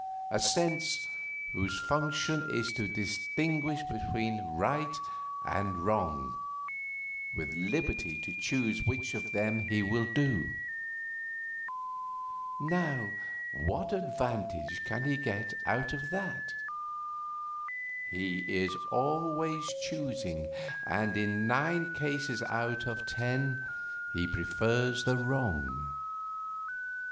A sense whose function is to distinguish between right and wrong, with liberty to choose which of them he will do. Now what advantage can he get out of that? He is always choosing, and in nine cases out of ten he prefers the wrong.